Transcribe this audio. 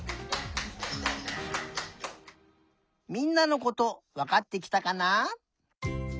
みんなのことわかってきたかな？